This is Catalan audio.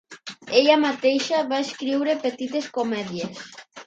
Ella mateixa va escriure petites comèdies.